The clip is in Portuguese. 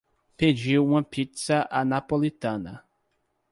Pediu uma pizza à napolitana